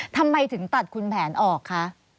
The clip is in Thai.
ทำไมถึงตัดคุณแผนออกคะ